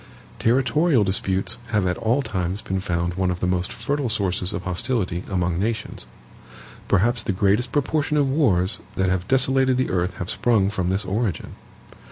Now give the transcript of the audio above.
Territorial disputes have at all times been found one of the most fertile sources of hostility among nations. Perhaps the greatest proportion of wars that have desolated the earth have sprung from this origin.